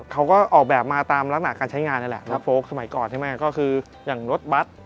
เขาก็ออกแบบมาตามละหนักการใช้งานนี่แหละสมัยก่อนก็คืออย่างรถบัตร